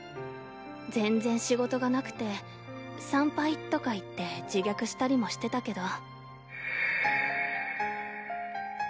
全然仕事がなくて「産廃」とか言って自虐したりもしてたけど。